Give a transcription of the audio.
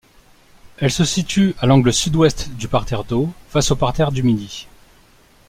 Elle se situe à l'angle sud-ouest du parterre d'Eau, face au parterre du Midi.